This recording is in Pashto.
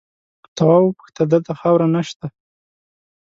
تواب وپوښتل دلته خاوره نه شته؟